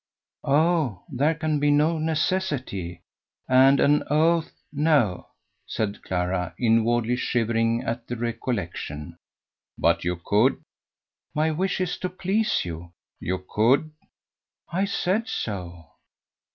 "Oh! there can be no necessity. And an oath no!" said Clara, inwardly shivering at a recollection. "But you could?" "My wish is to please you." "You could?" "I said so."